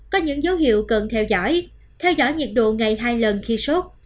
có những dấu hiệu cần theo dõi theo dõi nhiệt độ ngày hai lần khi sốt